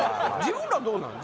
自分らどうなん？